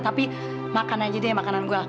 tapi makan aja deh makanan gue